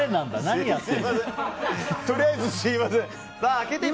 とりあえずすみません。